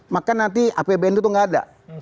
maka nanti apbn itu nggak ada